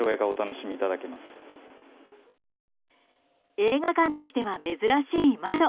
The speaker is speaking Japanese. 映画館としては珍しい窓。